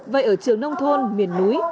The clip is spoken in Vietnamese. vậy ở trường nông thôn miền núi